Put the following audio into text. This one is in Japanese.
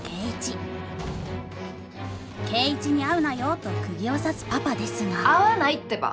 圭一に会うなよとくぎを刺すパパですが会わないってば。